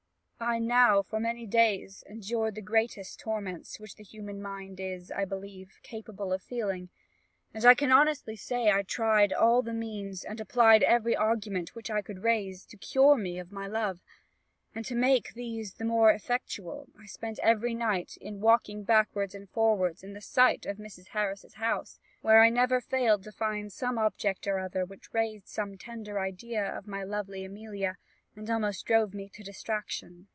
"I now, for many days, endured the greatest torments which the human mind is, I believe, capable of feeling; and I can honestly say I tried all the means, and applied every argument which I could raise, to cure me of my love. And to make these the more effectual, I spent every night in walking backwards and forwards in the sight of Mrs. Harris's house, where I never failed to find some object or other which raised some tender idea of my lovely Amelia, and almost drove me to distraction."